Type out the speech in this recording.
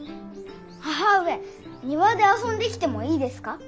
母上庭で遊んできてもいいですか。